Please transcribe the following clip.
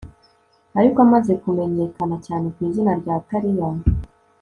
ariko amaze kumenyekana cyane ku izina rya talia